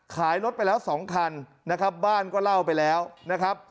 รถไปแล้ว๒คันนะครับบ้านก็เล่าไปแล้วนะครับ